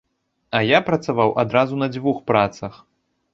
А я працаваў адразу на дзвюх працах.